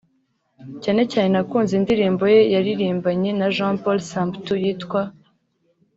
cyane cyane nakunze indirimbo ye yaririmbanye na Jean Paul Samputu yitwa